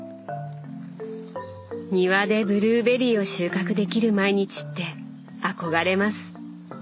庭でブルーベリーを収穫できる毎日って憧れます。